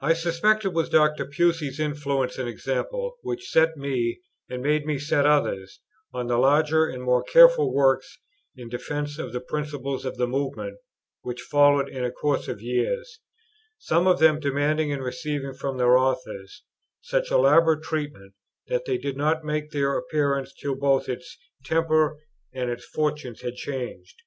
I suspect it was Dr. Pusey's influence and example which set me, and made me set others, on the larger and more careful works in defence of the principles of the Movement which followed in a course of years, some of them demanding and receiving from their authors, such elaborate treatment that they did not make their appearance till both its temper and its fortunes had changed.